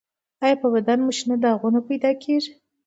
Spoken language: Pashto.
ایا په بدن مو شین داغونه پیدا کیږي؟